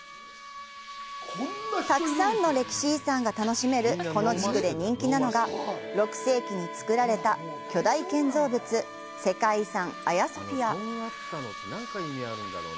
たくさんの歴史遺産が楽しめるこの地区で人気なのが６世紀に造られた巨大建造物世界遺産アヤソフィア。